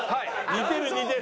似てる似てる。